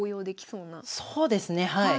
そうですねはい。